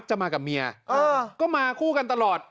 จะมากับเมียก็มาคู่กันตลอด